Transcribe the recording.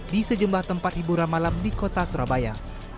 di sejumlah tempat hiburan malam di kota surabaya